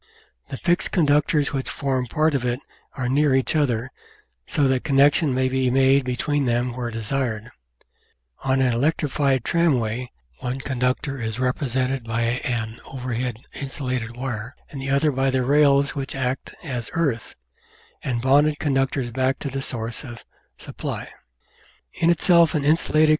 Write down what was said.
The fixed conductors which form part of it are near each other, so that connection may be made between them where desired. On an electrified tramway one conductor is represented by an overhead insulated wire, and the other by the rails which act as "earth" and Reproduced by permission of the British Aluminium Co.